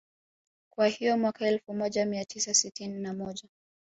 Kwa hiyo Mwaka elfu moja mia tisa sitini na moja